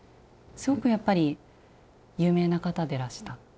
すごくやっぱり有名な方でらした。